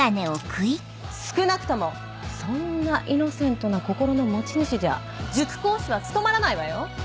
少なくともそんなイノセントな心の持ち主じゃ塾講師は務まらないわよ。